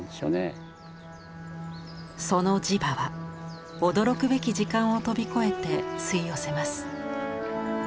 その磁場は驚くべき時間を飛び越えて吸い寄せます。